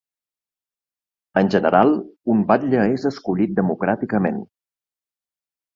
En general, un batlle és escollit democràticament.